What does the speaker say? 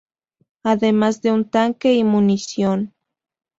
Además de un tanque y munición.